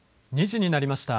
２時になりました。